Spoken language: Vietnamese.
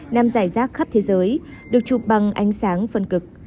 nằm dài rác khắp thế giới được chụp bằng ánh sáng phân cực